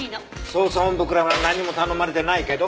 捜査本部からは何も頼まれてないけど？